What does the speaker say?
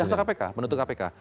jaksa kpk penutup kpk